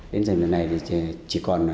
đến giờ này chỉ còn